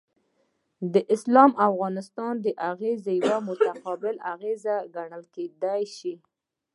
د اسلام او افغانستان اغیزه یو متقابل اغیز ګڼل کیدای شي.